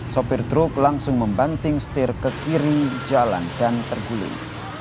sopir truk langsung membanting setir ke kiri jalan dan terguling